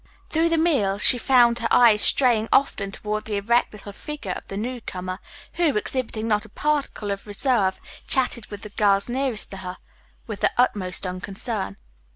Through the meal she found her eyes straying often toward the erect little figure of the newcomer, who, exhibiting not a particle of reserve, chatted with the girls nearest to her with the utmost unconcern.